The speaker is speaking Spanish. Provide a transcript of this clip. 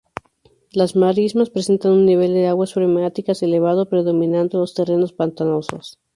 Las marismas presentan un nivel de aguas freáticas elevado, predominando los terrenos pantanosos.